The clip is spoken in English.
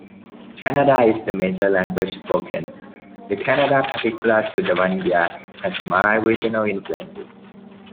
Kannada is the major language spoken. The Kannada particular to Davangere has mild regional influences.